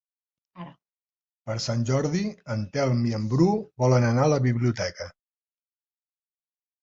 Per Sant Jordi en Telm i en Bru volen anar a la biblioteca.